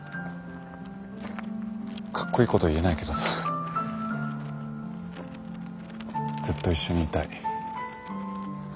カッコイイこと言えないけどさずっと一緒にいたい。